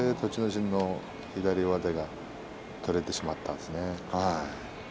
心の左上手が取れてしまったんですね。